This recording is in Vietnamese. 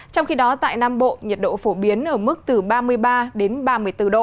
trong khi đó tại nam bộ nhiệt độ phổ biến ở mức từ ba mươi ba đến ba mươi bốn độ